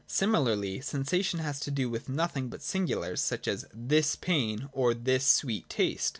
Similarly, sensation has to do with nothing but singulars, such as this pain or this sweet taste.